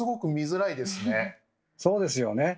そうですよね。